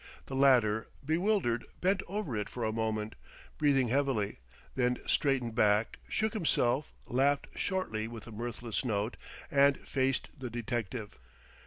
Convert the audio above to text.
The latter, bewildered, bent over it for a moment, breathing heavily; then straightened back, shook himself, laughed shortly with a mirthless note, and faced the detective.